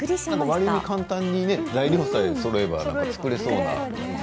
わりに簡単に材料さえそろえば作れそうな感じ。